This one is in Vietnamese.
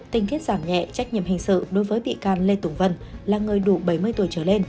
tình tiết giảm nhẹ trách nhiệm hình sự đối với bị can lê tùng vân là người đủ bảy mươi tuổi trở lên